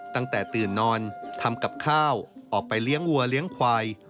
ตั้งแต่ตื่นนอนทำกับข้าวออกไปเลี้ยงวัวเลี้ยงควาย